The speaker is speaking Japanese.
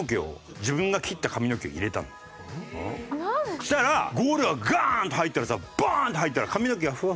そしたらゴールがガーン！と入ったらさバーン！って入ったら。